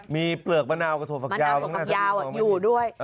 มีเปลือกมะนาวกระโถกฝักยาวอยู่ด้วย